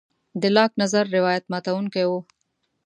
د لاک نظر روایت ماتوونکی و.